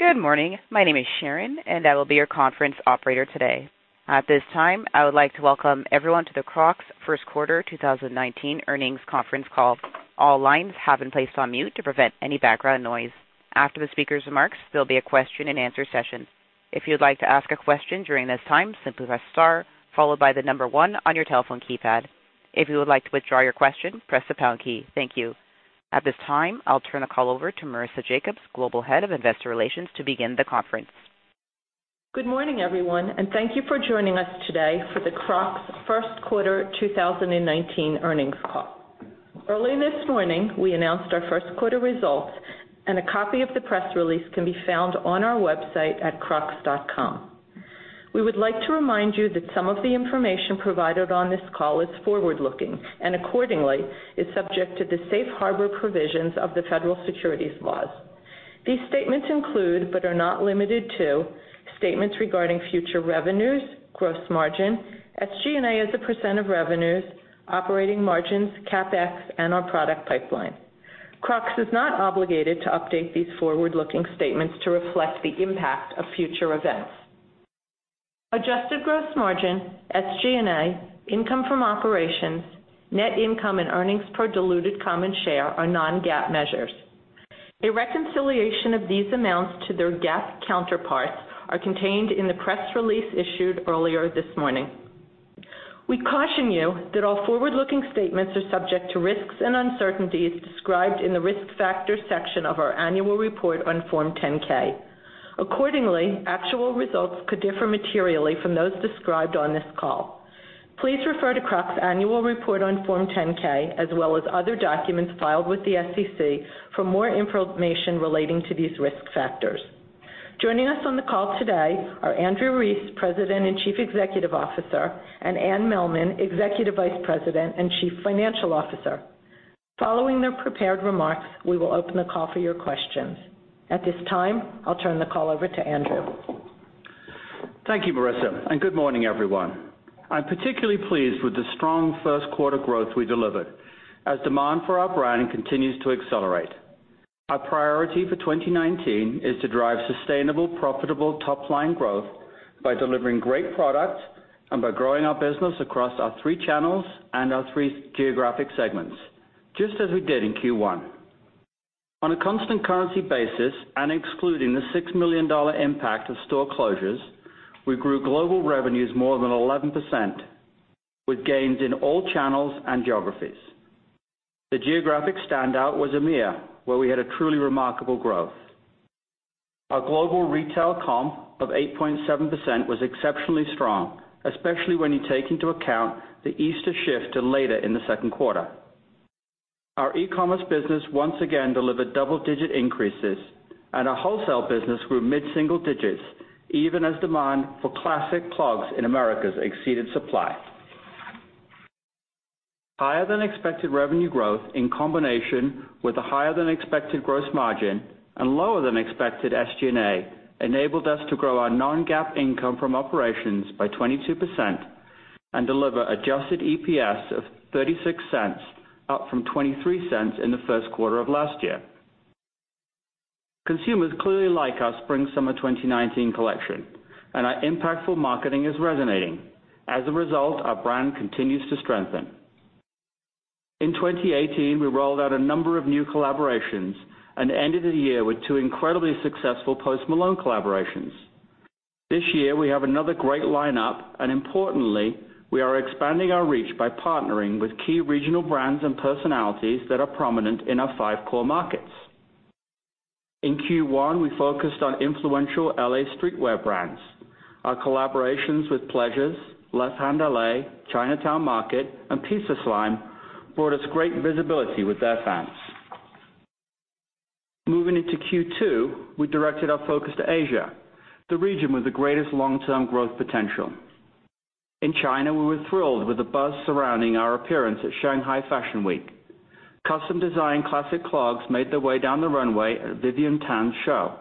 Good morning. My name is Sharon, and I will be your conference operator today. At this time, I would like to welcome everyone to the Crocs First Quarter 2019 Earnings Conference Call. All lines have been placed on mute to prevent any background noise. After the speaker's remarks, there will be a question and answer session. If you would like to ask a question during this time, simply press star, followed by the number one on your telephone keypad. If you would like to withdraw your question, press the pound key. Thank you. At this time, I will turn the call over to Marisa Jacobs, Global Head of Investor Relations, to begin the conference. Good morning, everyone, and thank you for joining us today for the Crocs First Quarter 2019 Earnings Call. Early this morning, we announced our first quarter results, and a copy of the press release can be found on our website at crocs.com. We would like to remind you that some of the information provided on this call is forward-looking, and accordingly, is subject to the safe harbor provisions of the federal securities laws. These statements include, but are not limited to, statements regarding future revenues, gross margin, SG&A as a percent of revenues, operating margins, CapEx, and our product pipeline. Crocs is not obligated to update these forward-looking statements to reflect the impact of future events. Adjusted gross margin, SG&A, income from operations, net income, and earnings per diluted common share are non-GAAP measures. A reconciliation of these amounts to their GAAP counterparts are contained in the press release issued earlier this morning. We caution you that all forward-looking statements are subject to risks and uncertainties described in the Risk Factors section of our annual report on Form 10-K. Actual results could differ materially from those described on this call. Please refer to Crocs' annual report on Form 10-K as well as other documents filed with the SEC for more information relating to these risk factors. Joining us on the call today are Andrew Rees, President and Chief Executive Officer, and Anne Mehlman, Executive Vice President and Chief Financial Officer. Following their prepared remarks, we will open the call for your questions. At this time, I will turn the call over to Andrew. Thank you, Marisa, and good morning, everyone. I am particularly pleased with the strong first quarter growth we delivered as demand for our brand continues to accelerate. Our priority for 2019 is to drive sustainable, profitable top-line growth by delivering great product and by growing our business across our three channels and our three geographic segments, just as we did in Q1. On a constant currency basis and excluding the $6 million impact of store closures, we grew global revenues more than 11%, with gains in all channels and geographies. The geographic standout was EMEA, where we had a truly remarkable growth. Our global retail comp of 8.7% was exceptionally strong, especially when you take into account the Easter shift to later in the second quarter. Our e-commerce business once again delivered double-digit increases, and our wholesale business grew mid-single digits, even as demand for Classic Clogs in Americas exceeded supply. Higher than expected revenue growth in combination with a higher than expected gross margin and lower than expected SG&A enabled us to grow our non-GAAP income from operations by 22% and deliver adjusted EPS of $0.36, up from $0.23 in the first quarter of last year. Consumers clearly like our spring/summer 2019 collection, and our impactful marketing is resonating. As a result, our brand continues to strengthen. In 2018, we rolled out a number of new collaborations and ended the year with two incredibly successful Post Malone collaborations. This year, we have another great lineup, and importantly, we are expanding our reach by partnering with key regional brands and personalities that are prominent in our five core markets. In Q1, we focused on influential L.A. streetwear brands. Our collaborations with Pleasures, La Sande LA, Chinatown Market, and Pizzaslime brought us great visibility with their fans. Moving into Q2, we directed our focus to Asia, the region with the greatest long-term growth potential. In China, we were thrilled with the buzz surrounding our appearance at Shanghai Fashion Week. Custom-designed Classic Clogs made their way down the runway at Vivienne Tam's show.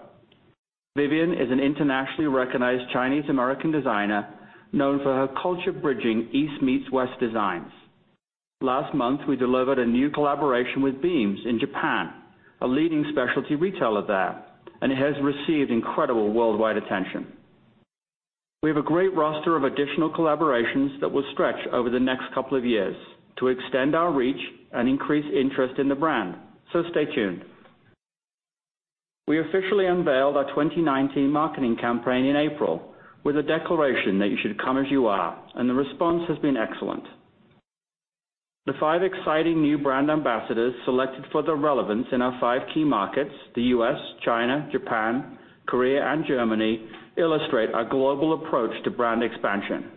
Vivienne is an internationally recognized Chinese American designer known for her culture-bridging East-meets-West designs. Last month, we delivered a new collaboration with Beams in Japan, a leading specialty retailer there, and it has received incredible worldwide attention. We have a great roster of additional collaborations that will stretch over the next couple of years to extend our reach and increase interest in the brand, so stay tuned. We officially unveiled our 2019 marketing campaign in April with a declaration that you should Come As You Are, and the response has been excellent. The five exciting new brand ambassadors selected for their relevance in our five key markets, the U.S., China, Japan, Korea, and Germany, illustrate our global approach to brand expansion.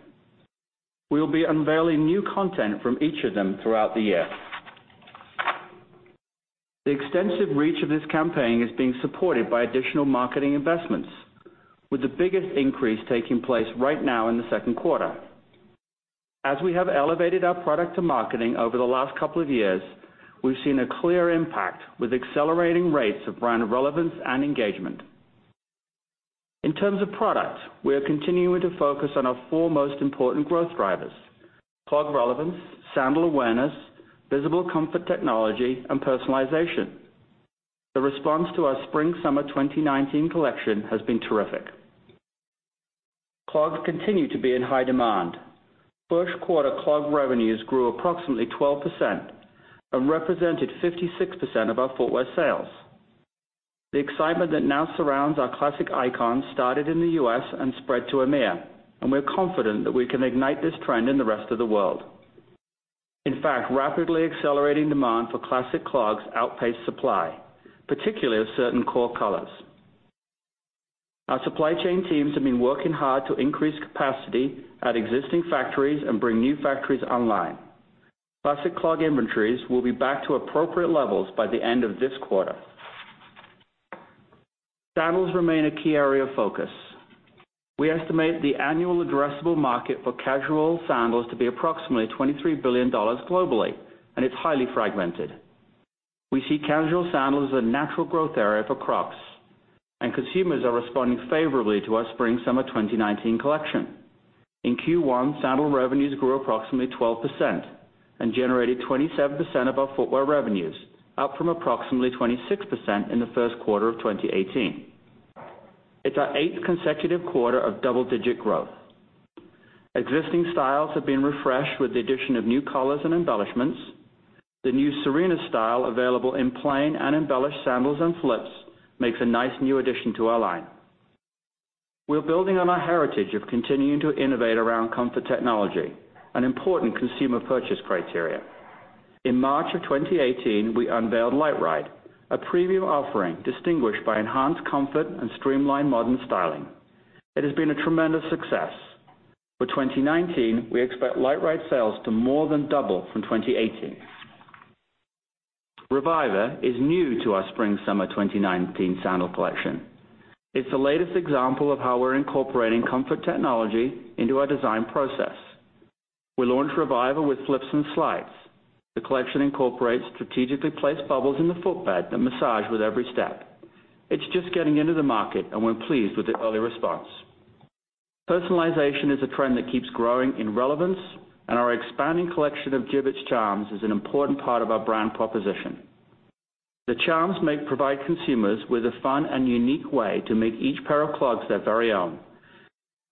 We'll be unveiling new content from each of them throughout the year. The extensive reach of this campaign is being supported by additional marketing investments, with the biggest increase taking place right now in the second quarter. As we have elevated our product to marketing over the last couple of years, we've seen a clear impact with accelerating rates of brand relevance and engagement. In terms of product, we are continuing to focus on our four most important growth drivers: clog relevance, sandal awareness, visible comfort technology, and personalization. The response to our spring-summer 2019 collection has been terrific. Clogs continue to be in high demand. First quarter clog revenues grew approximately 12% and represented 56% of our footwear sales. The excitement that now surrounds our classic icon started in the U.S. and spread to EMEA, and we are confident that we can ignite this trend in the rest of the world. In fact, rapidly accelerating demand for Classic Clogs outpaced supply, particularly of certain core colors. Our supply chain teams have been working hard to increase capacity at existing factories and bring new factories online. Classic Clog inventories will be back to appropriate levels by the end of this quarter. Sandals remain a key area of focus. We estimate the annual addressable market for casual sandals to be approximately $23 billion globally, and it's highly fragmented. We see casual sandals as a natural growth area for Crocs, and consumers are responding favorably to our spring-summer 2019 collection. In Q1, sandal revenues grew approximately 12% and generated 27% of our footwear revenues, up from approximately 26% in the first quarter of 2018. It's our eighth consecutive quarter of double-digit growth. Existing styles have been refreshed with the addition of new colors and embellishments. The new Serena style, available in plain and embellished sandals and flips, makes a nice new addition to our line. We're building on our heritage of continuing to innovate around comfort technology, an important consumer purchase criteria. In March of 2018, we unveiled LiteRide, a premium offering distinguished by enhanced comfort and streamlined modern styling. It has been a tremendous success. For 2019, we expect LiteRide sales to more than double from 2018. Reviva is new to our spring-summer 2019 sandal collection. It's the latest example of how we're incorporating comfort technology into our design process. We launched Reviva with flips and slides. The collection incorporates strategically placed bubbles in the footbed that massage with every step. It's just getting into the market, and we're pleased with the early response. Personalization is a trend that keeps growing in relevance, and our expanding collection of Jibbitz charms is an important part of our brand proposition. The charms may provide consumers with a fun and unique way to make each pair of clogs their very own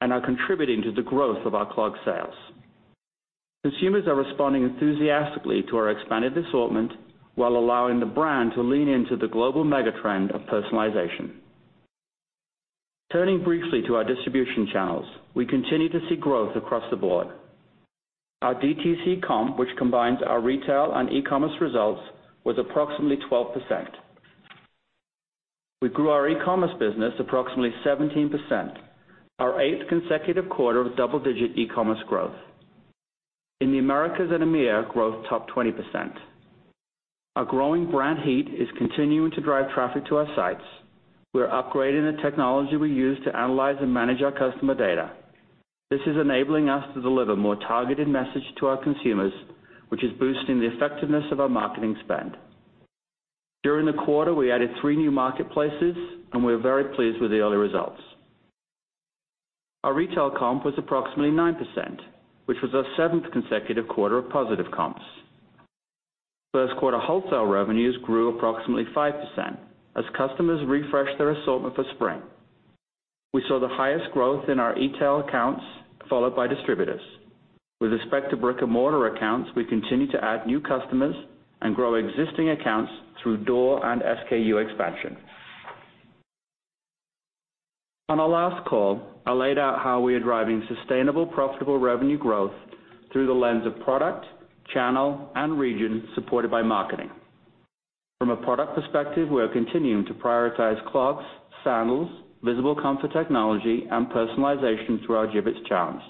and are contributing to the growth of our clog sales. Consumers are responding enthusiastically to our expanded assortment while allowing the brand to lean into the global mega-trend of personalization. Turning briefly to our distribution channels, we continue to see growth across the board. Our DTC comp, which combines our retail and e-commerce results, was approximately 12%. We grew our e-commerce business approximately 17%, our eighth consecutive quarter of double-digit e-commerce growth. In the Americas and EMEA, growth topped 20%. Our growing brand heat is continuing to drive traffic to our sites. We're upgrading the technology we use to analyze and manage our customer data. This is enabling us to deliver more targeted message to our consumers, which is boosting the effectiveness of our marketing spend. During the quarter, we added three new marketplaces, and we are very pleased with the early results. Our retail comp was approximately 9%, which was our seventh consecutive quarter of positive comps. First quarter wholesale revenues grew approximately 5% as customers refreshed their assortment for spring. We saw the highest growth in our e-tail accounts, followed by distributors. With respect to brick-and-mortar accounts, we continue to add new customers and grow existing accounts through door and SKU expansion. On our last call, I laid out how we are driving sustainable profitable revenue growth through the lens of product, channel, and region, supported by marketing. From a product perspective, we are continuing to prioritize clogs, sandals, visible comfort technology, and personalization through our Jibbitz charms.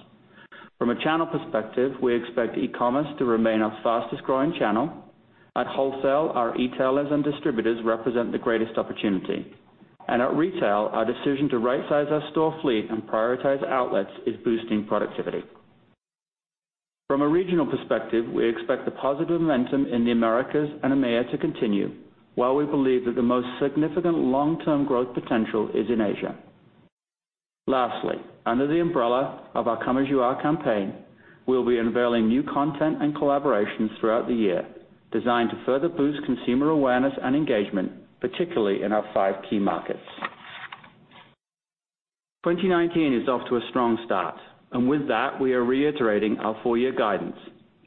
From a channel perspective, we expect e-commerce to remain our fastest-growing channel. At wholesale, our e-tailers and distributors represent the greatest opportunity. And at retail, our decision to rightsize our store fleet and prioritize outlets is boosting productivity. From a regional perspective, we expect the positive momentum in the Americas and EMEA to continue, while we believe that the most significant long-term growth potential is in Asia. Lastly, under the umbrella of our Come As You Are campaign, we'll be unveiling new content and collaborations throughout the year designed to further boost consumer awareness and engagement, particularly in our five key markets. 2019 is off to a strong start. With that, we are reiterating our full-year guidance,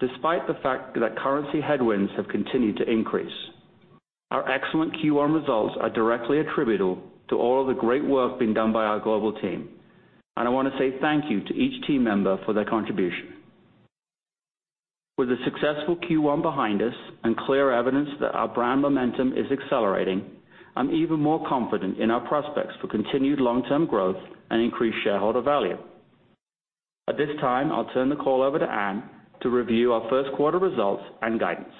despite the fact that currency headwinds have continued to increase. Our excellent Q1 results are directly attributable to all of the great work being done by our global team, and I want to say thank you to each team member for their contribution. With a successful Q1 behind us and clear evidence that our brand momentum is accelerating, I'm even more confident in our prospects for continued long-term growth and increased shareholder value. At this time, I'll turn the call over to Anne to review our first quarter results and guidance.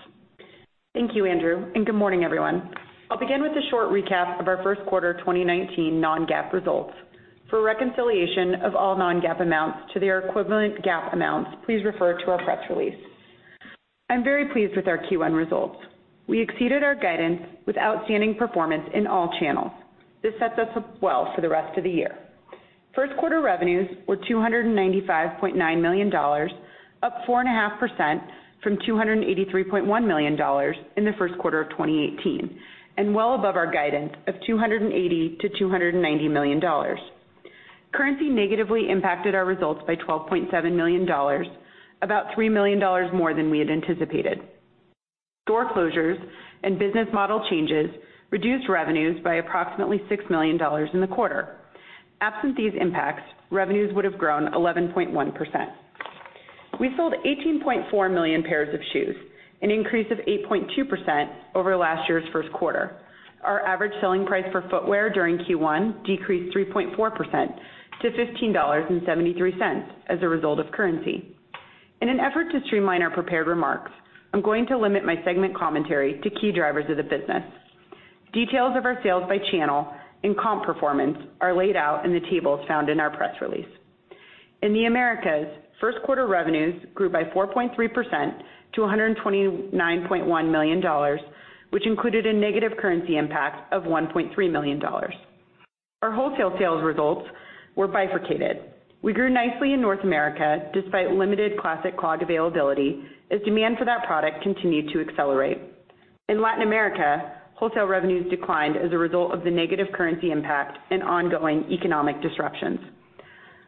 Thank you, Andrew. Good morning, everyone. I'll begin with a short recap of our first quarter 2019 non-GAAP results. For a reconciliation of all non-GAAP amounts to their equivalent GAAP amounts, please refer to our press release. I'm very pleased with our Q1 results. We exceeded our guidance with outstanding performance in all channels. This sets us up well for the rest of the year. First quarter revenues were $295.9 million, up 4.5% from $283.1 million in the first quarter of 2018, and well above our guidance of $280 million-$290 million. Currency negatively impacted our results by $12.7 million, about $3 million more than we had anticipated. Store closures and business model changes reduced revenues by approximately $6 million in the quarter. Absent these impacts, revenues would have grown 11.1%. We sold 18.4 million pairs of shoes, an increase of 8.2% over last year's first quarter. Our average selling price per footwear during Q1 decreased 3.4% to $15.73 as a result of currency. In an effort to streamline our prepared remarks, I'm going to limit my segment commentary to key drivers of the business. Details of our sales by channel and comp performance are laid out in the tables found in our press release. In the Americas, first quarter revenues grew by 4.3% to $129.1 million, which included a negative currency impact of $1.3 million. Our wholesale sales results were bifurcated. We grew nicely in North America despite limited Classic Clog availability, as demand for that product continued to accelerate. In Latin America, wholesale revenues declined as a result of the negative currency impact and ongoing economic disruptions.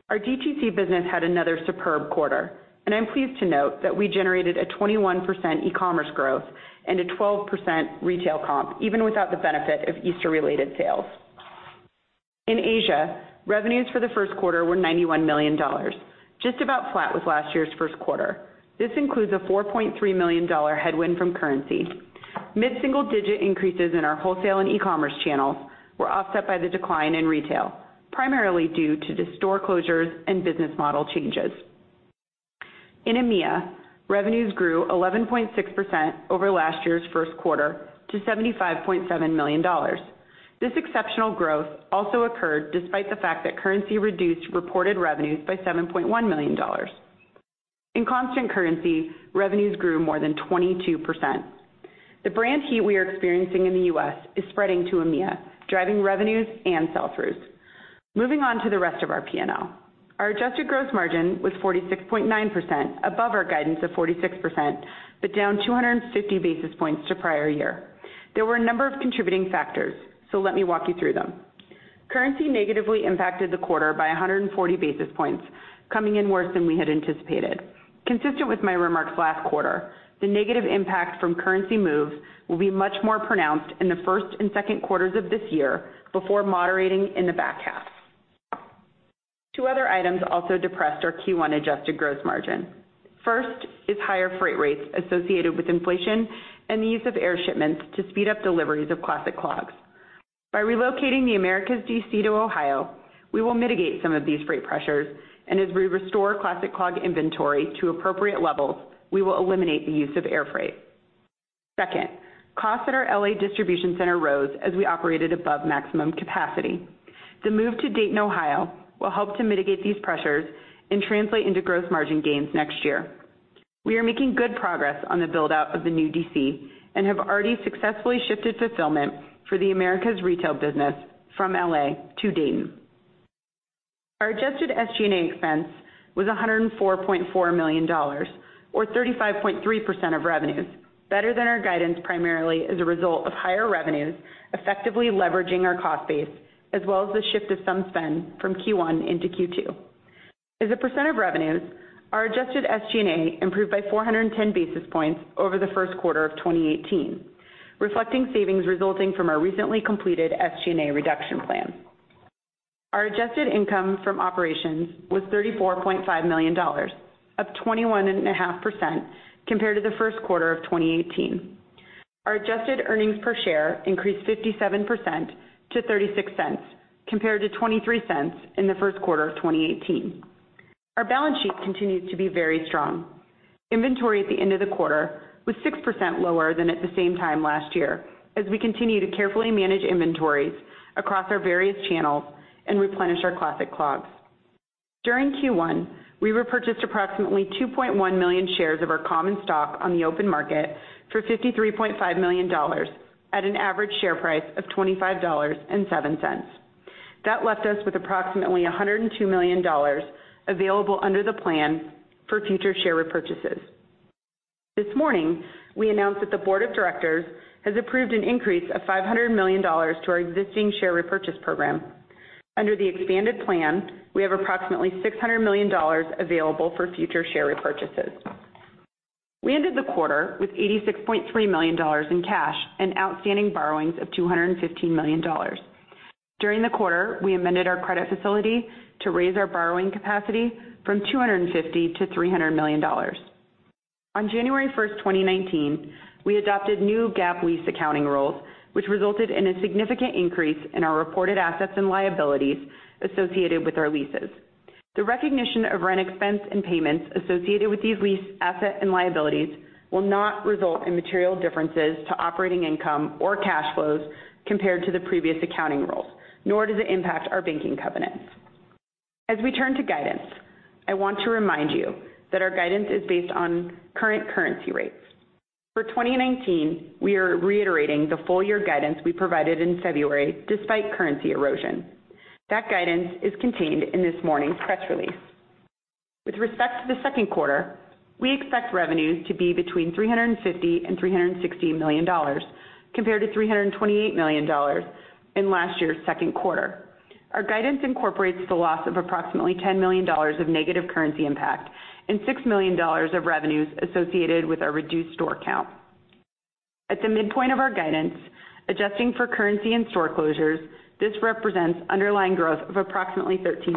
Our DTC business had another superb quarter. I'm pleased to note that we generated a 21% e-commerce growth and a 12% retail comp, even without the benefit of Easter-related sales. In Asia, revenues for the first quarter were $91 million, just about flat with last year's first quarter. This includes a $4.3 million headwind from currency. Mid-single-digit increases in our wholesale and e-commerce channels were offset by the decline in retail, primarily due to the store closures and business model changes. In EMEA, revenues grew 11.6% over last year's first quarter to $75.7 million. This exceptional growth also occurred despite the fact that currency reduced reported revenues by $7.1 million. In constant currency, revenues grew more than 22%. The brand heat we are experiencing in the U.S. is spreading to EMEA, driving revenues and sell-throughs. Moving on to the rest of our P&L. Our adjusted gross margin was 46.9%, above our guidance of 46%, but down 250 basis points to prior year. There were a number of contributing factors, let me walk you through them. Currency negatively impacted the quarter by 140 basis points, coming in worse than we had anticipated. Consistent with my remarks last quarter, the negative impact from currency moves will be much more pronounced in the first and second quarters of this year before moderating in the back half. Two other items also depressed our Q1 adjusted gross margin. First is higher freight rates associated with inflation and the use of air shipments to speed up deliveries of Classic Clogs. By relocating the Americas DC to Ohio, we will mitigate some of these freight pressures, and as we restore Classic Clog inventory to appropriate levels, we will eliminate the use of air freight. Second, costs at our L.A. distribution center rose as we operated above maximum capacity. The move to Dayton, Ohio will help to mitigate these pressures and translate into gross margin gains next year. We are making good progress on the build-out of the new DC and have already successfully shifted fulfillment for the Americas retail business from L.A. to Dayton. Our adjusted SG&A expense was $104.4 million, or 35.3% of revenues, better than our guidance, primarily as a result of higher revenues, effectively leveraging our cost base, as well as the shift of some spend from Q1 into Q2. As a percent of revenues, our adjusted SG&A improved by 410 basis points over the first quarter of 2018, reflecting savings resulting from our recently completed SG&A reduction plan. Our adjusted income from operations was $34.5 million, up 21.5% compared to the first quarter of 2018. Our adjusted earnings per share increased 57% to $0.36 compared to $0.23 in the first quarter of 2018. Our balance sheet continues to be very strong. Inventory at the end of the quarter was 6% lower than at the same time last year as we continue to carefully manage inventories across our various channels and replenish our Classic Clogs. During Q1, we repurchased approximately 2.1 million shares of our common stock on the open market for $53.5 million at an average share price of $25.07. That left us with approximately $102 million available under the plan for future share repurchases. This morning, we announced that the board of directors has approved an increase of $500 million to our existing share repurchase program. Under the expanded plan, we have approximately $600 million available for future share repurchases. We ended the quarter with $86.3 million in cash and outstanding borrowings of $215 million. During the quarter, we amended our credit facility to raise our borrowing capacity from $250 to $300 million. On January 1st, 2019, we adopted new GAAP lease accounting rules, which resulted in a significant increase in our reported assets and liabilities associated with our leases. The recognition of rent expense and payments associated with these lease assets and liabilities will not result in material differences to operating income or cash flows compared to the previous accounting rules, nor does it impact our banking covenants. As we turn to guidance, I want to remind you that our guidance is based on current currency rates. For 2019, we are reiterating the full year guidance we provided in February despite currency erosion. That guidance is contained in this morning's press release. With respect to the second quarter, we expect revenues to be between $350 million and $360 million, compared to $328 million in last year's second quarter. Our guidance incorporates the loss of approximately $10 million of negative currency impact and $6 million of revenues associated with our reduced store count. At the midpoint of our guidance, adjusting for currency and store closures, this represents underlying growth of approximately 13%.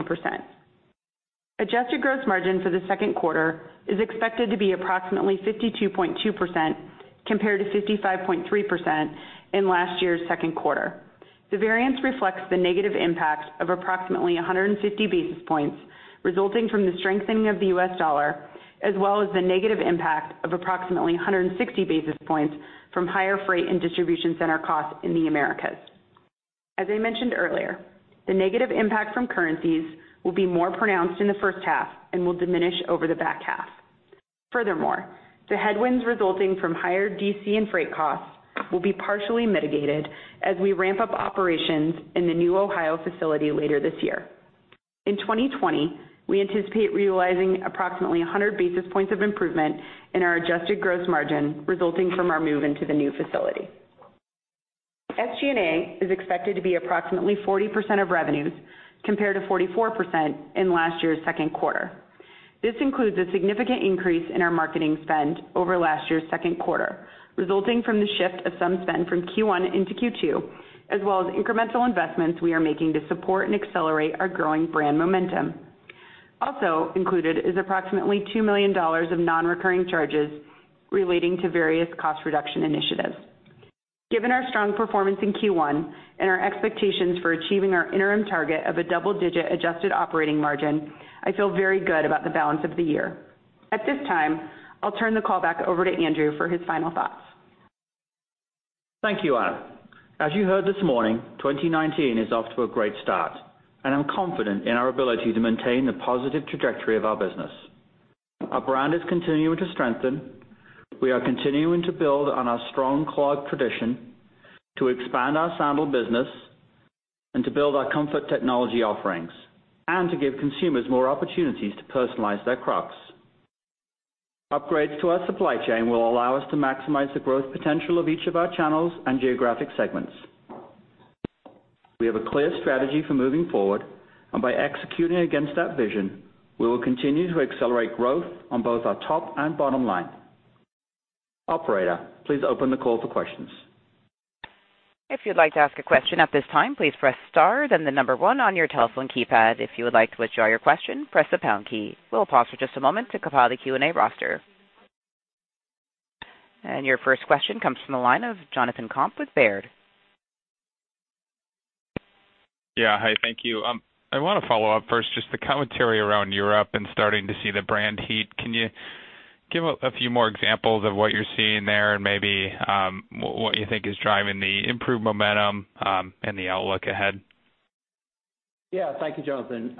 Adjusted gross margin for the second quarter is expected to be approximately 52.2%, compared to 55.3% in last year's second quarter. The variance reflects the negative impact of approximately 150 basis points resulting from the strengthening of the US dollar, as well as the negative impact of approximately 160 basis points from higher freight and distribution center costs in the Americas. As I mentioned earlier, the negative impact from currencies will be more pronounced in the first half and will diminish over the back half. Furthermore, the headwinds resulting from higher DC and freight costs will be partially mitigated as we ramp up operations in the new Ohio facility later this year. In 2020, we anticipate realizing approximately 100 basis points of improvement in our adjusted gross margin, resulting from our move into the new facility. SG&A is expected to be approximately 40% of revenues, compared to 44% in last year's second quarter. This includes a significant increase in our marketing spend over last year's second quarter, resulting from the shift of some spend from Q1 into Q2, as well as incremental investments we are making to support and accelerate our growing brand momentum. Also included is approximately $2 million of non-recurring charges relating to various cost reduction initiatives. Given our strong performance in Q1 and our expectations for achieving our interim target of a double-digit adjusted operating margin, I feel very good about the balance of the year. At this time, I'll turn the call back over to Andrew for his final thoughts. Thank you, Anne. As you heard this morning, 2019 is off to a great start. I'm confident in our ability to maintain the positive trajectory of our business. Our brand is continuing to strengthen. We are continuing to build on our strong clog tradition, to expand our sandal business, and to build our comfort technology offerings, and to give consumers more opportunities to personalize their Crocs. Upgrades to our supply chain will allow us to maximize the growth potential of each of our channels and geographic segments. We have a clear strategy for moving forward. By executing against that vision, we will continue to accelerate growth on both our top and bottom line. Operator, please open the call for questions. If you'd like to ask a question at this time, please press star then the number one on your telephone keypad. If you would like to withdraw your question, press the pound key. We'll pause for just a moment to compile the Q&A roster. Your first question comes from the line of Jonathan Komp with Baird. Hi, thank you. I want to follow up first, just the commentary around Europe and starting to see the brand heat. Can you give a few more examples of what you're seeing there and maybe what you think is driving the improved momentum and the outlook ahead? Thank you, Jonathan.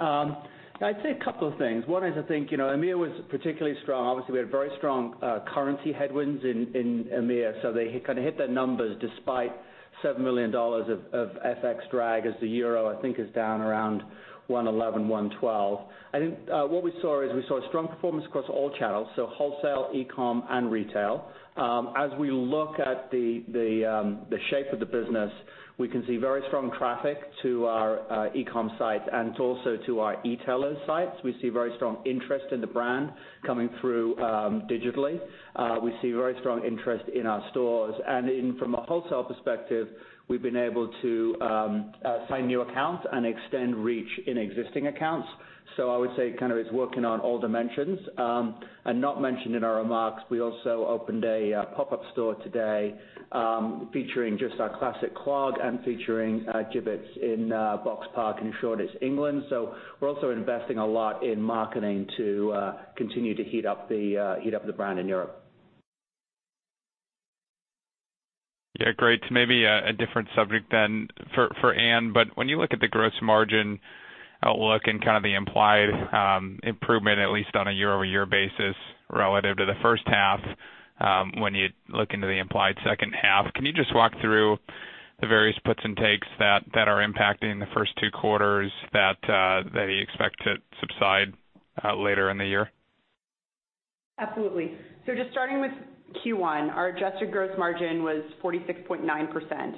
I'd say a couple of things. One is I think EMEA was particularly strong. Obviously, we had very strong currency headwinds in EMEA, so they kind of hit their numbers despite $7 million of FX drag as the EUR, I think, is down around 111, 112. I think what we saw is we saw strong performance across all channels, so wholesale, e-com, and retail. As we look at the shape of the business, we can see very strong traffic to our e-com site and also to our e-tailer sites. We see very strong interest in the brand coming through digitally. We see very strong interest in our stores. From a wholesale perspective, we've been able to sign new accounts and extend reach in existing accounts. I would say it kind of is working on all dimensions. Not mentioned in our remarks, we also opened a pop-up store today, featuring just our Classic Clog and featuring Jibbitz in Boxpark in Shoreditch, England. We're also investing a lot in marketing to continue to heat up the brand in Europe. Yeah, great. Maybe a different subject then for Anne, when you look at the gross margin outlook and kind of the implied improvement, at least on a year-over-year basis, relative to the first half, when you look into the implied second half, can you just walk through the various puts and takes that are impacting the first two quarters that you expect to subside later in the year? Absolutely. Just starting with Q1. Our adjusted gross margin was 46.9%,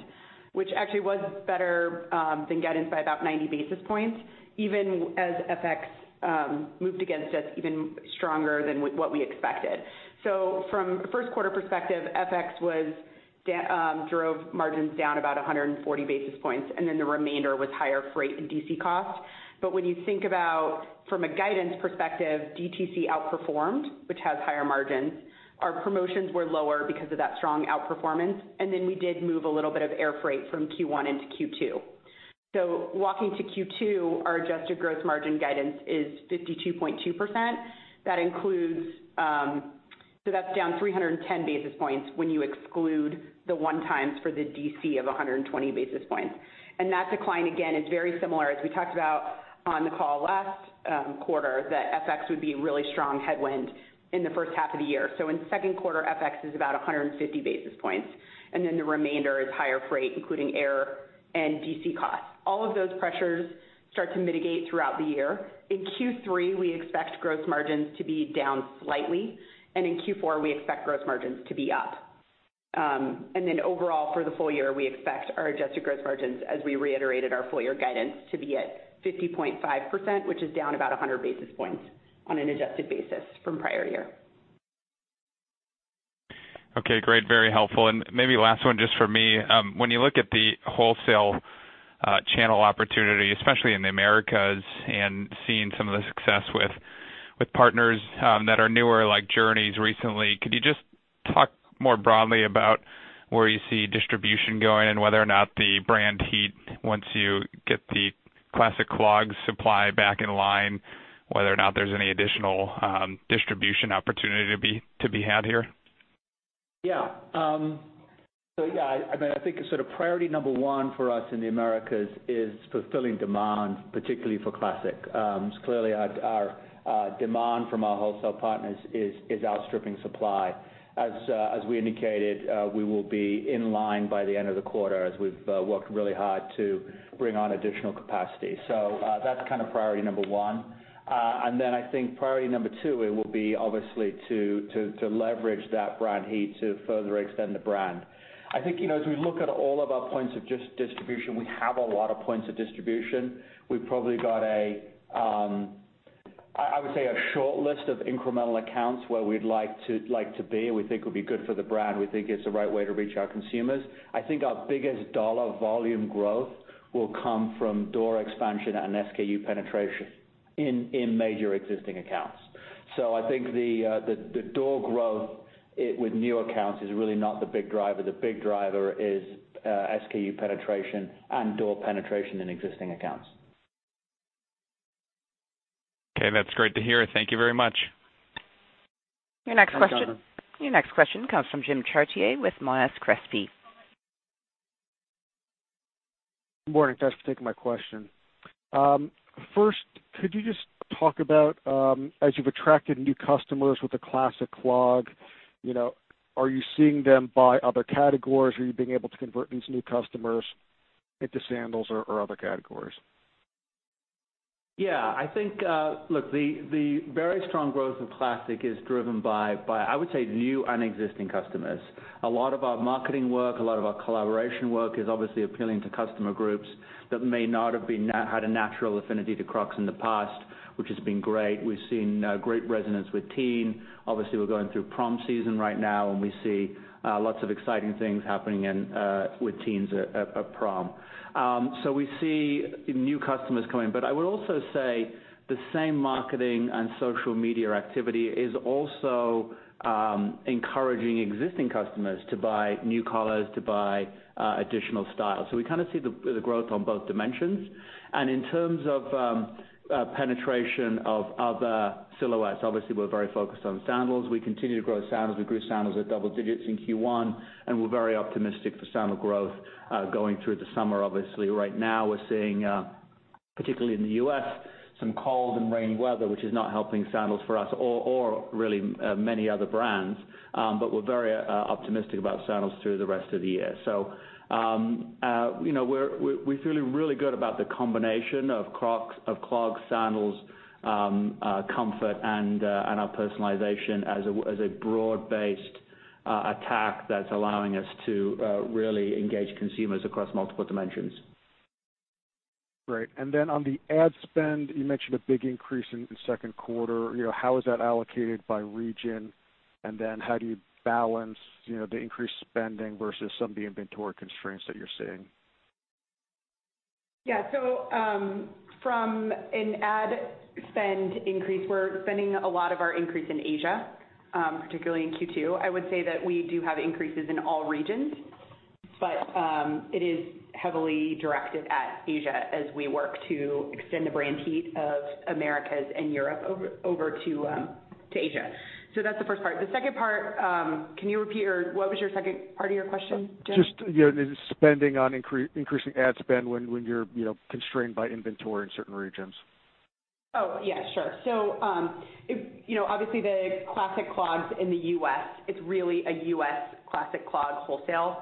which actually was better than guidance by about 90 basis points, even as FX moved against us even stronger than what we expected. From a first quarter perspective, FX drove margins down about 140 basis points, and then the remainder was higher freight and DC costs. When you think about from a guidance perspective, DTC outperformed, which has higher margins. Our promotions were lower because of that strong outperformance, and then we did move a little bit of air freight from Q1 into Q2. Walking to Q2, our adjusted gross margin guidance is 52.2%. That's down 310 basis points when you exclude the one times for the DC of 120 basis points. That decline, again, is very similar as we talked about on the call last quarter, that FX would be a really strong headwind in the first half of the year. In the second quarter, FX is about 150 basis points, and then the remainder is higher freight, including air and DC costs. All of those pressures start to mitigate throughout the year. In Q3, we expect gross margins to be down slightly, in Q4, we expect gross margins to be up. Overall, for the full year, we expect our adjusted gross margins, as we reiterated our full-year guidance, to be at 50.5%, which is down about 100 basis points on an adjusted basis from prior year. Okay, great. Very helpful. Maybe last one just for me. When you look at the wholesale channel opportunity, especially in the Americas and seeing some of the success with partners that are newer, like Journeys recently, could you just talk more broadly about where you see distribution going and whether or not the brand heat, once you get the Classic Clog supply back in line, whether or not there's any additional distribution opportunity to be had here? Yeah. I think priority number one for us in the Americas is fulfilling demand, particularly for Classic. Clearly, our demand from our wholesale partners is outstripping supply. As we indicated, we will be in line by the end of the quarter as we've worked really hard to bring on additional capacity. That's priority number one. I think priority number two, it will be obviously to leverage that brand heat to further extend the brand. I think, as we look at all of our points of distribution, we have a lot of points of distribution. We've probably got a, I would say, a short list of incremental accounts where we'd like to be, and we think would be good for the brand. We think it's the right way to reach our consumers. I think our biggest dollar volume growth will come from door expansion and SKU penetration in major existing accounts. I think the door growth with new accounts is really not the big driver. The big driver is SKU penetration and door penetration in existing accounts. Okay. That's great to hear. Thank you very much. Your next question- Thanks, Jonathan. Your next question comes from Jim Chartier with Monness, Crespi, Hardt. Good morning, thanks for taking my question. First, could you just talk about, as you've attracted new customers with the Classic Clog, are you seeing them buy other categories? Are you being able to convert these new customers into sandals or other categories? Yeah, I think, look, the very strong growth of Classic is driven by, I would say, new and existing customers. A lot of our marketing work, a lot of our collaboration work is obviously appealing to customer groups that may not have had a natural affinity to Crocs in the past, which has been great. We've seen great resonance with teen. Obviously, we're going through prom season right now, and we see lots of exciting things happening with teens at prom. We see new customers coming. I would also say the same marketing and social media activity is also encouraging existing customers to buy new colors, to buy additional styles. We kind of see the growth on both dimensions. In terms of penetration of other silhouettes, obviously, we're very focused on sandals. We continue to grow sandals. We grew sandals at double digits in Q1. We're very optimistic for sandal growth going through the summer. Obviously, right now, we're seeing, particularly in the U.S., some cold and rainy weather, which is not helping sandals for us or really many other brands. We're very optimistic about sandals through the rest of the year. We're feeling really good about the combination of Crocs, of clogs, sandals, comfort, and our personalization as a broad-based attack that's allowing us to really engage consumers across multiple dimensions. Great. On the ad spend, you mentioned a big increase in the second quarter. How is that allocated by region? How do you balance the increased spending versus some of the inventory constraints that you're seeing? Yeah. From an ad spend increase, we're spending a lot of our increase in Asia, particularly in Q2. I would say that we do have increases in all regions, but it is heavily directed at Asia as we work to extend the brand heat of Americas and Europe over to Asia. That's the first part. The second part, can you repeat or what was your second part of your question, Jim? Just the spending on increasing ad spend when you're constrained by inventory in certain regions. Yeah, sure. Obviously the Classic Clogs in the U.S., it's really a U.S. Classic Clog wholesale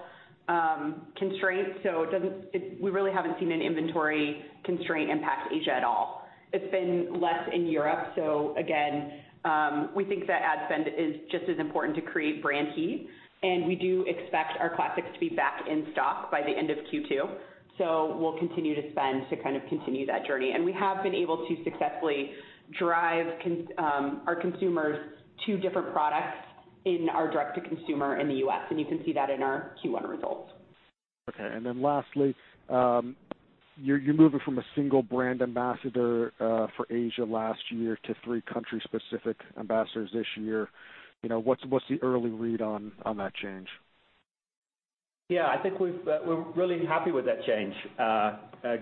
constraint. We really haven't seen an inventory constraint impact Asia at all. It's been less in Europe. Again, we think that ad spend is just as important to create brand heat, and we do expect our Classics to be back in stock by the end of Q2. We'll continue to spend to kind of continue that journey. We have been able to successfully drive our consumers to different products in our direct-to-consumer in the U.S., and you can see that in our Q1 results. Okay. Lastly, you're moving from a single brand ambassador for Asia last year to three country-specific ambassadors this year. What's the early read on that change? Yeah, I think we're really happy with that change.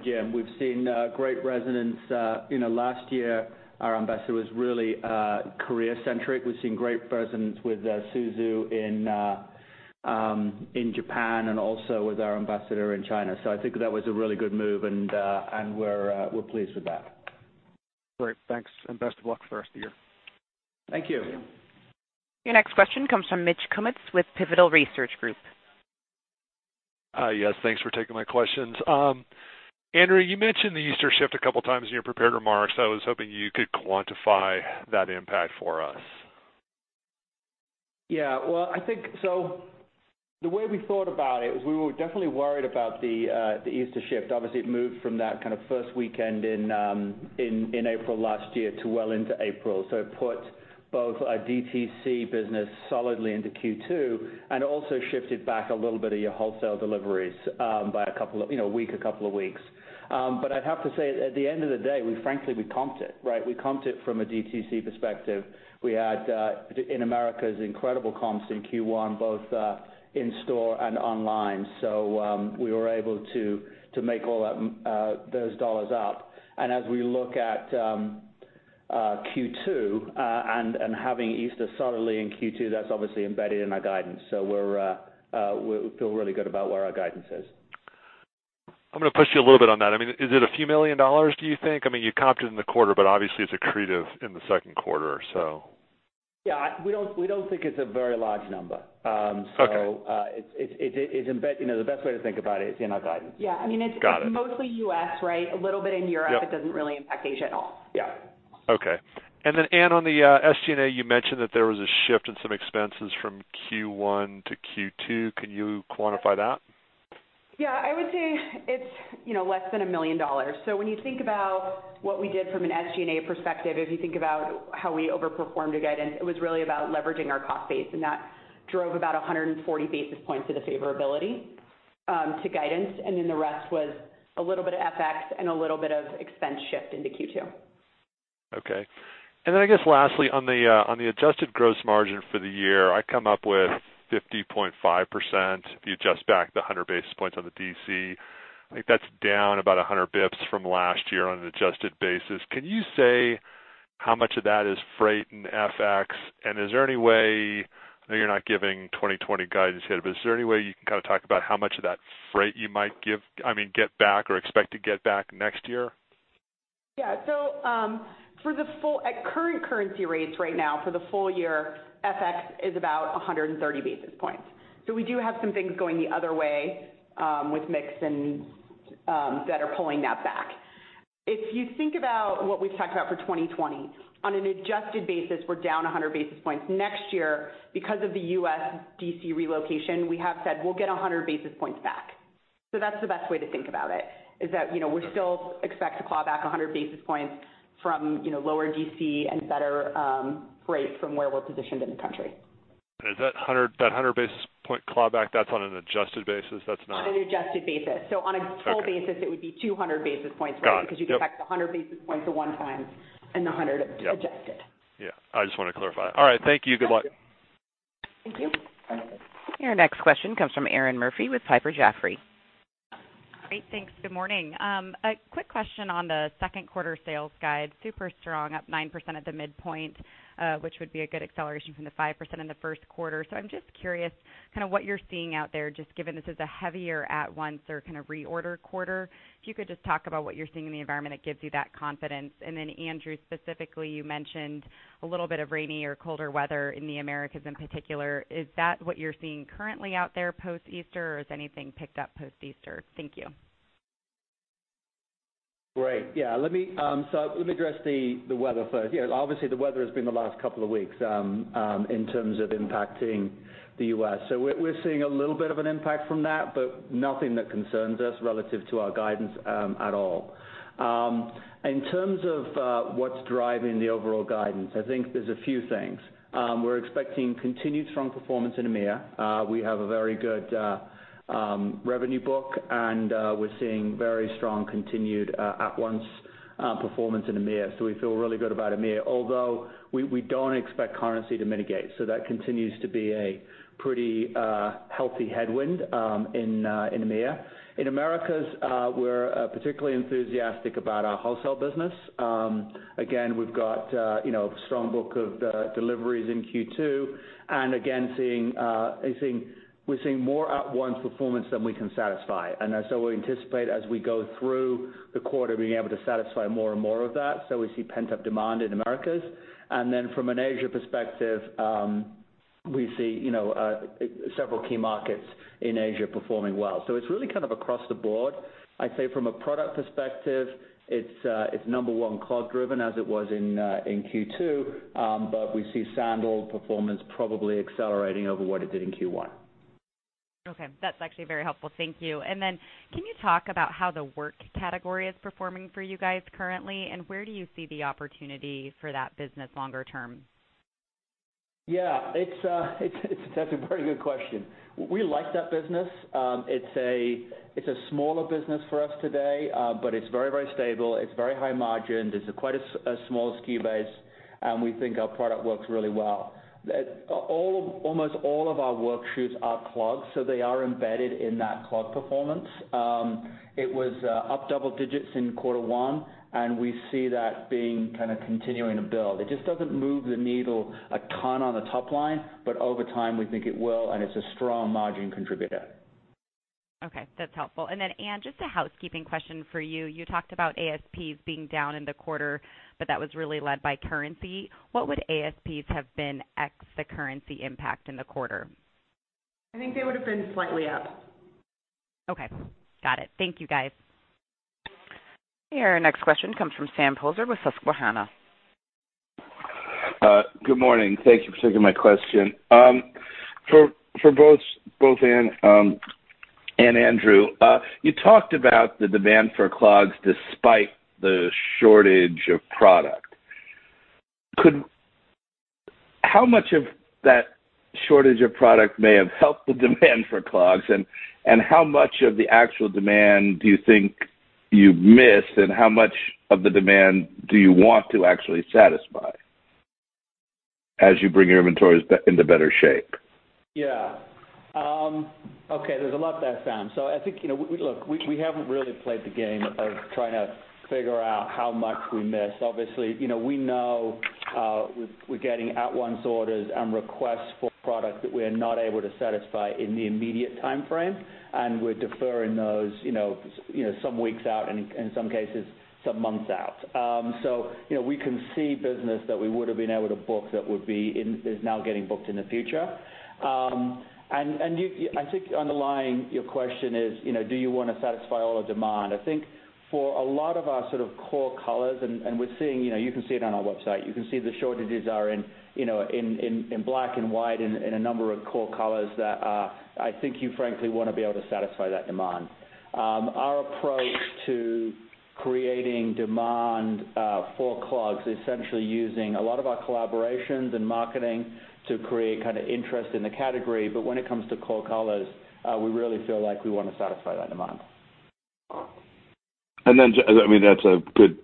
Jim, we've seen great resonance. Last year, our ambassador was really career-centric. We've seen great resonance with Suzu in Japan and also with our ambassador in China. I think that was a really good move, and we're pleased with that. Great. Thanks, best of luck for the rest of the year. Thank you. Your next question comes from Mitch Kummetz with Pivotal Research Group. Yes, thanks for taking my questions. Andrew, you mentioned the Easter shift a couple of times in your prepared remarks. I was hoping you could quantify that impact for us. The way we thought about it was we were definitely worried about the Easter shift. Obviously, it moved from that first weekend in April last year to well into April. It put both our DTC business solidly into Q2 and also shifted back a little bit of your wholesale deliveries by a week, a couple of weeks. I'd have to say, at the end of the day, frankly, we comped it. We comped it from a DTC perspective. We had, in Americas, incredible comps in Q1, both in store and online. We were able to make all those dollars up. As we look at Q2, and having Easter solidly in Q2, that's obviously embedded in our guidance. We feel really good about where our guidance is. I'm going to push you a little bit on that. Is it a few million dollars, do you think? You comped it in the quarter, obviously it's accretive in the second quarter or so. Yeah. We don't think it's a very large number. Okay. The best way to think about it is in our guidance. Yeah. Got it. It's mostly U.S. A little bit in Europe. Yep. It doesn't really impact Asia at all. Yeah. Okay. Anne, on the SG&A, you mentioned that there was a shift in some expenses from Q1 to Q2. Can you quantify that? Yeah, I would say it's less than $1 million. When you think about what we did from an SG&A perspective, if you think about how we overperformed to guidance, it was really about leveraging our cost base, and that drove about 140 basis points of the favorability to guidance. The rest was a little bit of FX and a little bit of expense shift into Q2. Okay. Then I guess lastly, on the adjusted gross margin for the year, I come up with 50.5% if you adjust back the 100 basis points on the DC. I think that's down about 100 basis points from last year on an adjusted basis. Can you say how much of that is freight and FX? I know you're not giving 2020 guidance here, but is there any way you can talk about how much of that freight you might get back or expect to get back next year? Yeah. At current currency rates right now, for the full year, FX is about 130 basis points. We do have some things going the other way with mix that are pulling that back. If you think about what we've talked about for 2020, on an adjusted basis, we're down 100 basis points. Next year, because of the U.S. DC relocation, we have said we'll get 100 basis points back. That's the best way to think about it, is that we still expect to claw back 100 basis points from lower DC and better freight from where we're positioned in the country. Is that 100 basis point clawback, that's on an adjusted basis? On an adjusted basis. Okay it would be 200 basis points for you. Got it. Yep. You get back the 100 basis points the one time, and the 100 adjusted. Yep. I just wanted to clarify. All right, thank you. Good luck. Thank you. Okay. Your next question comes from Erinn Murphy with Piper Jaffray. Great. Thanks. Good morning. A quick question on the second quarter sales guide. Super strong, up 9% at the midpoint, which would be a good acceleration from the 5% in the first quarter. I'm just curious what you're seeing out there, just given this is a heavier at-once or reorder quarter. If you could just talk about what you're seeing in the environment that gives you that confidence. Andrew, specifically, you mentioned a little bit of rainy or colder weather in the Americas in particular. Is that what you're seeing currently out there post-Easter, or has anything picked up post-Easter? Thank you. Great. Yeah. Let me address the weather first. Obviously, the weather has been the last couple of weeks in terms of impacting the U.S. We're seeing a little bit of an impact from that, but nothing that concerns us relative to our guidance at all. In terms of what's driving the overall guidance, I think there's a few things. We're expecting continued strong performance in EMEA. We have a very good revenue book, and we're seeing very strong continued at-once performance in EMEA, we feel really good about EMEA, although we don't expect currency to mitigate. That continues to be a pretty healthy headwind in EMEA. In Americas, we're particularly enthusiastic about our wholesale business. Again, we've got a strong book of deliveries in Q2, and again, we're seeing more at-once performance than we can satisfy. We anticipate as we go through the quarter, being able to satisfy more and more of that. We see pent-up demand in Americas. From an Asia perspective, we see several key markets in Asia performing well. It's really across the board. I'd say from a product perspective, it's number one clog-driven as it was in Q2. We see sandal performance probably accelerating over what it did in Q1. Okay. That's actually very helpful. Thank you. Can you talk about how the work category is performing for you guys currently, and where do you see the opportunity for that business longer term? Yeah. That's a very good question. We like that business. It's a smaller business for us today. It's very, very stable. It's very high margin. There's quite a small SKU base, and we think our product works really well. That almost all of our work shoes are clogs, so they are embedded in that clog performance. It was up double digits in quarter one, we see that continuing to build. It just doesn't move the needle a ton on the top line, over time we think it will, and it's a strong margin contributor. Okay. That's helpful. Anne, just a housekeeping question for you. You talked about ASPs being down in the quarter, that was really led by currency. What would ASPs have been, ex the currency impact in the quarter? I think they would've been slightly up. Okay. Got it. Thank you, guys. Your next question comes from Sam Poser with Susquehanna. Good morning. Thank you for taking my question. For both Anne and Andrew, you talked about the demand for clogs despite the shortage of product. How much of that shortage of product may have helped the demand for clogs, and how much of the actual demand do you think you've missed, and how much of the demand do you want to actually satisfy as you bring your inventories into better shape? Yeah. Okay. There's a lot there, Sam. I think, look, we haven't really played the game of trying to figure out how much we missed. Obviously, we know we're getting at-once orders and requests for product that we're not able to satisfy in the immediate timeframe, and we're deferring those some weeks out and, in some cases, some months out. We can see business that we would've been able to book that is now getting booked in the future. I think underlying your question is do you want to satisfy all the demand? I think for a lot of our sort of core colors, and you can see it on our crocs.com, you can see the shortages are in black and white and in a number of core colors that I think you frankly want to be able to satisfy that demand. Our approach to creating demand for clogs, essentially using a lot of our collaborations and marketing to create interest in the category, when it comes to core colors, we really feel like we want to satisfy that demand. That's a good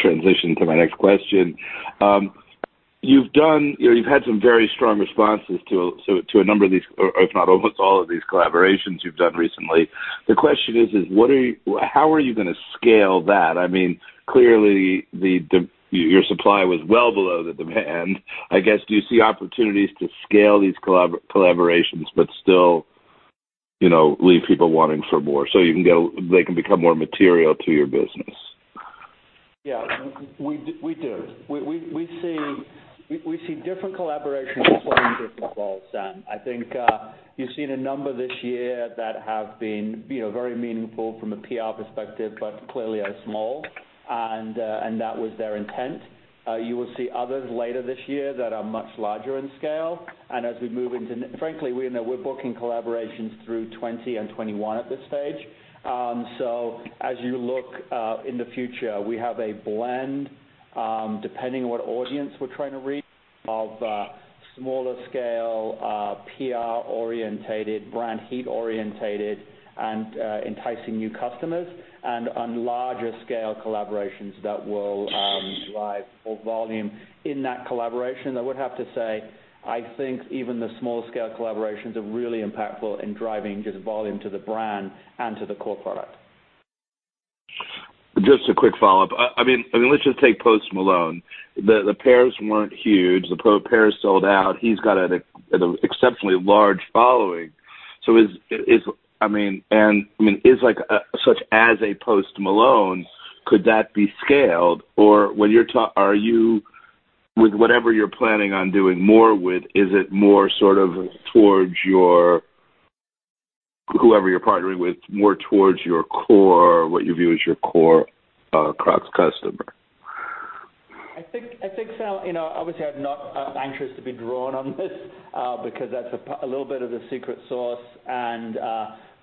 transition to my next question. You've had some very strong responses to a number of these, if not almost all of these collaborations you've done recently. The question is how are you going to scale that? Clearly, your supply was well below the demand. I guess, do you see opportunities to scale these collaborations, but still leave people wanting for more so they can become more material to your business? Yeah. We do. We see different collaborations playing different roles, Sam. I think you've seen a number this year that have been very meaningful from a PR perspective, clearly are small, and that was their intent. You will see others later this year that are much larger in scale. As we move into frankly, we're booking collaborations through 2020 and 2021 at this stage. As you look in the future, we have a blend, depending on what audience we're trying to reach, of smaller scale, PR-orientated, brand heat orientated, and enticing new customers, and on larger scale collaborations that will drive more volume in that collaboration. I would have to say, I think even the smaller scale collaborations are really impactful in driving just volume to the brand and to the core product. Just a quick follow-up. Let's just take Post Malone. The pairs weren't huge. The pairs sold out. He's got an exceptionally large following. Such as a Post Malone, could that be scaled? Or with whatever you're planning on doing more with, is it more towards whoever you're partnering with, more towards what you view as your core Crocs customer? I think, Sam, obviously I'm not anxious to be drawn on this because that's a little bit of the secret sauce.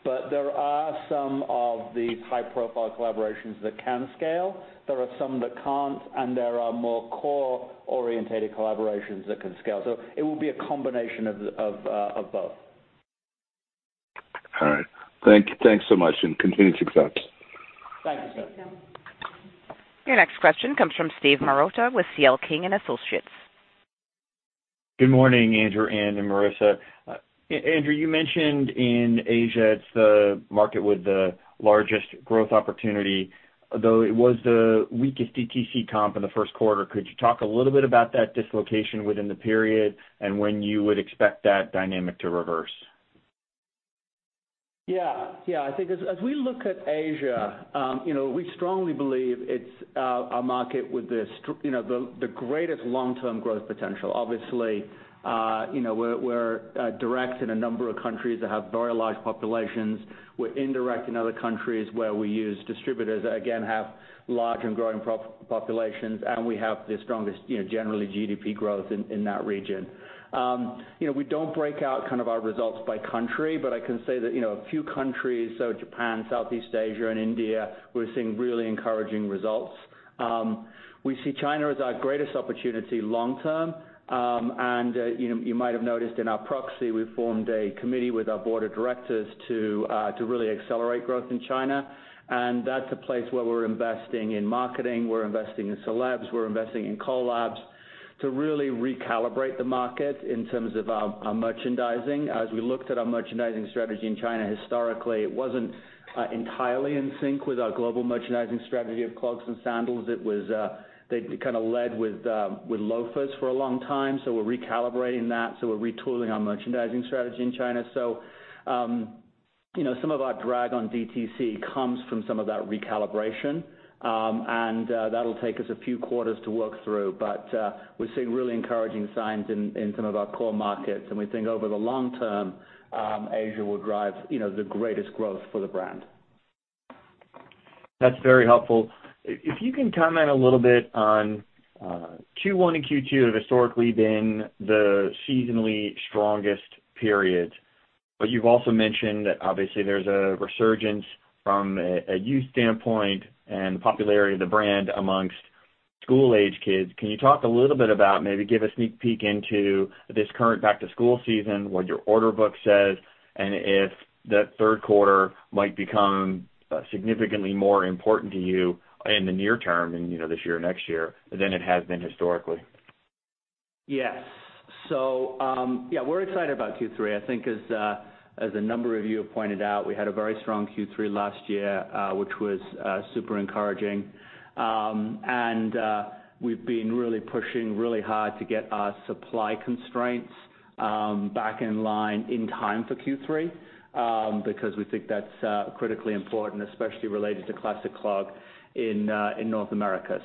There are some of the high-profile collaborations that can scale. There are some that can't, and there are more core-orientated collaborations that can scale. It will be a combination of both. All right. Thanks so much, and continued success. Thank you, Sam. Your next question comes from Steven Marotta with CL King & Associates. Good morning, Andrew, Anne, and Marisa. Andrew, you mentioned in Asia, it's the market with the largest growth opportunity, although it was the weakest DTC comp in the first quarter. Could you talk a little bit about that dislocation within the period, and when you would expect that dynamic to reverse? Yeah. I think as we look at Asia, we strongly believe it's a market with the greatest long-term growth potential. Obviously, we're direct in a number of countries that have very large populations. We're indirect in other countries where we use distributors that, again, have large and growing populations, and we have the strongest generally GDP growth in that region. We don't break out our results by country, but I can say that a few countries, Japan, Southeast Asia, and India, we're seeing really encouraging results. We see China as our greatest opportunity long term. You might have noticed in our proxy, we formed a committee with our board of directors to really accelerate growth in China, and that's a place where we're investing in marketing, we're investing in celebs, we're investing in collabs to really recalibrate the market in terms of our merchandising. As we looked at our merchandising strategy in China historically, it wasn't entirely in sync with our global merchandising strategy of clogs and sandals. They kind of led with loafers for a long time, so we're recalibrating that. Some of our drag on DTC comes from some of that recalibration, and that'll take us a few quarters to work through. We're seeing really encouraging signs in some of our core markets, and we think over the long term, Asia will drive the greatest growth for the brand. That's very helpful. If you can comment a little bit on Q1 and Q2 have historically been the seasonally strongest periods, but you've also mentioned that obviously there's a resurgence from a youth standpoint and the popularity of the brand amongst school-age kids. Can you talk a little bit about, maybe give a sneak peek into this current back-to-school season, what your order book says, and if that third quarter might become significantly more important to you in the near term, in this year or next year, than it has been historically? Yes. We're excited about Q3. I think as a number of you have pointed out, we had a very strong Q3 last year, which was super encouraging. We've been really pushing really hard to get our supply constraints back in line in time for Q3, because we think that's critically important, especially related to Classic Clog in North America.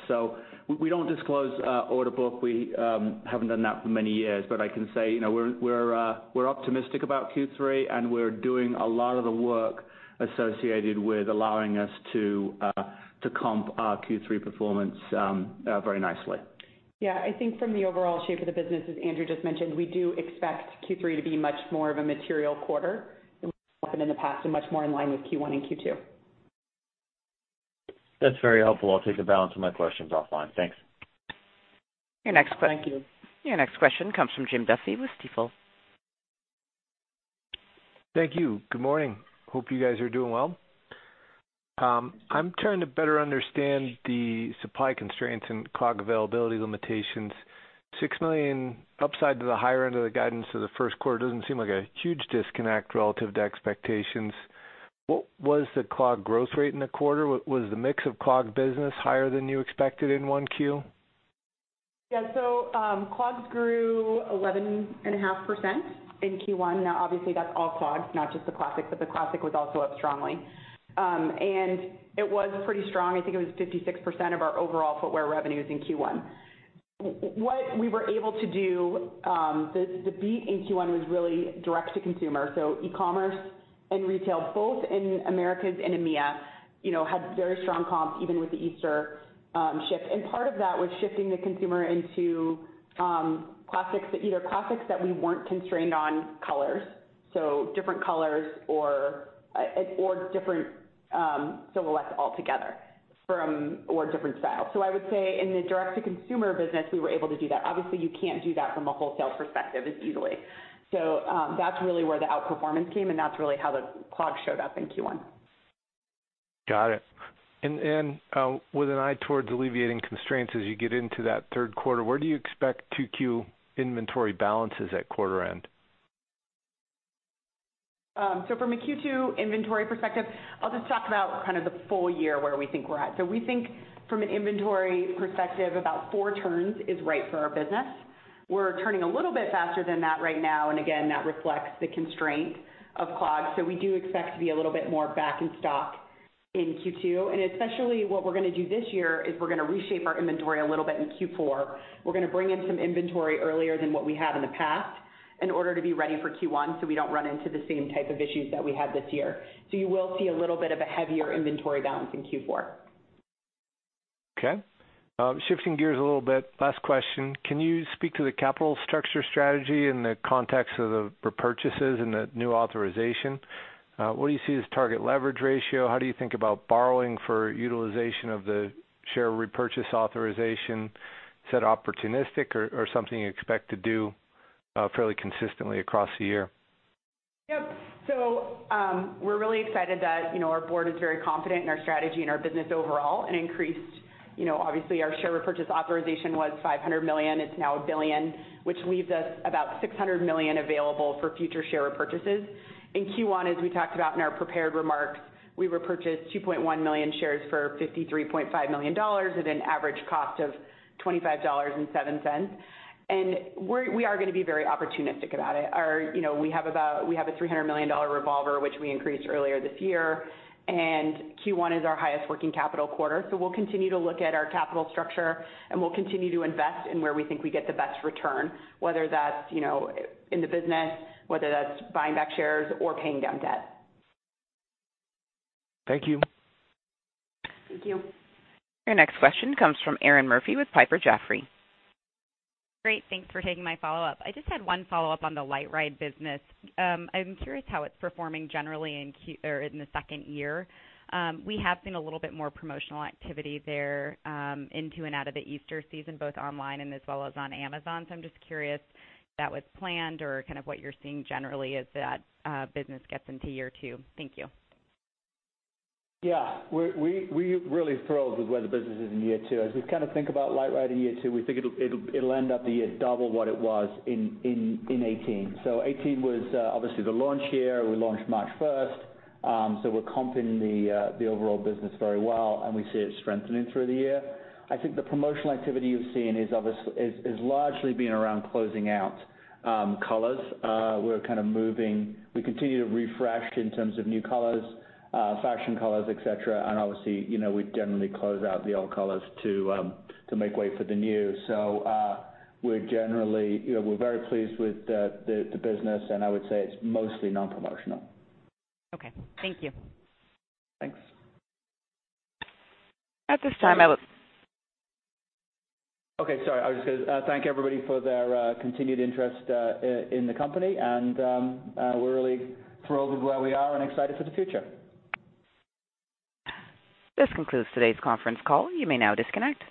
We don't disclose order book. We haven't done that for many years. I can say, we're optimistic about Q3, and we're doing a lot of the work associated with allowing us to comp our Q3 performance very nicely. I think from the overall shape of the business, as Andrew just mentioned, we do expect Q3 to be much more of a material quarter than what has happened in the past and much more in line with Q1 and Q2. That's very helpful. I'll take the balance of my questions offline. Thanks. Thank you. Your next question comes from Jim Duffy with Stifel. Thank you. Good morning. Hope you guys are doing well. I'm trying to better understand the supply constraints and clog availability limitations. $6 million upside to the higher end of the guidance for the first quarter doesn't seem like a huge disconnect relative to expectations. What was the clog growth rate in the quarter? Was the mix of clog business higher than you expected in 1Q? Yeah. Clogs grew 11.5% in Q1. Now, obviously that's all clogs, not just the Classic, but the Classic was also up strongly. It was pretty strong. I think it was 56% of our overall footwear revenues in Q1. What we were able to do, the beat in Q1 was really direct-to-consumer. E-commerce and retail, both in Americas and EMEA had very strong comps even with the Easter shift. Part of that was shifting the consumer into either Classics that we weren't constrained on colors, so different colors or different silhouettes altogether, or different styles. I would say in the direct-to-consumer business, we were able to do that. Obviously, you can't do that from a wholesale perspective as easily. That's really where the outperformance came, and that's really how the clog showed up in Q1. Got it. With an eye towards alleviating constraints as you get into that third quarter, where do you expect 2Q inventory balances at quarter end? From a Q2 inventory perspective, I'll just talk about the full year where we think we're at. We think from an inventory perspective, about four turns is right for our business. We're turning a little bit faster than that right now. Again, that reflects the constraint of clogs. We do expect to be a little bit more back in stock in Q2. Especially what we're going to do this year is we're going to reshape our inventory a little bit in Q4. We're going to bring in some inventory earlier than what we have in the past in order to be ready for Q1, so we don't run into the same type of issues that we had this year. You will see a little bit of a heavier inventory balance in Q4. Okay. Shifting gears a little bit, last question. Can you speak to the capital structure strategy in the context of the repurchases and the new authorization? What do you see as target leverage ratio? How do you think about borrowing for utilization of the share repurchase authorization? Is that opportunistic or something you expect to do fairly consistently across the year? Yep. We're really excited that our board is very confident in our strategy and our business overall and obviously our share repurchase authorization was $500 million. It's now $1 billion, which leaves us about $600 million available for future share repurchases. In Q1, as we talked about in our prepared remarks, we repurchased 2.1 million shares for $53.5 million at an average cost of $25.07. We are going to be very opportunistic about it. We have a $300 million revolver, which we increased earlier this year, and Q1 is our highest working capital quarter. We'll continue to look at our capital structure, and we'll continue to invest in where we think we get the best return, whether that's in the business, whether that's buying back shares or paying down debt. Thank you. Thank you. Your next question comes from Erinn Murphy with Piper Jaffray. Great. Thanks for taking my follow-up. I just had one follow-up on the LiteRide business. I'm curious how it's performing generally in the second year. We have seen a little bit more promotional activity there, into and out of the Easter season, both online and as well as on Amazon. I'm just curious if that was planned or what you're seeing generally as that business gets into year two. Thank you. Yeah. We're really thrilled with where the business is in year two. As we think about LiteRide in year two, we think it'll end up the year double what it was in 2018. 2018 was obviously the launch year. We launched March 1st, so we're comping the overall business very well, and we see it strengthening through the year. I think the promotional activity you've seen has largely been around closing out colors. We continue to refresh in terms of new colors, fashion colors, et cetera. Obviously, we generally close out the old colors to make way for the new. We're very pleased with the business, and I would say it's mostly non-promotional. Okay. Thank you. Thanks. At this time I will Okay, sorry. I was just going to thank everybody for their continued interest in the company, and we're really thrilled with where we are and excited for the future. This concludes today's conference call. You may now disconnect.